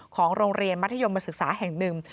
ของโรงเรียนมัธยมศึกษาแห่งหนึ่ง